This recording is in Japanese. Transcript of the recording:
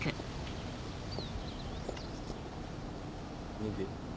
元気？